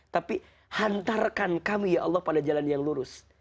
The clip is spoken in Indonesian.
tapi hantarkan kami ya allah pada jalan yang lurus